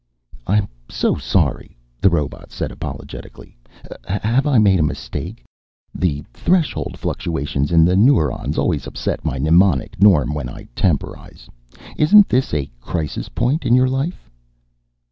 "I'm so sorry," the robot said apologetically. "Have I made a mistake? The threshold fluctuations in the neurons always upset my mnemonic norm when I temporalize. Isn't this a crisis point in your life?"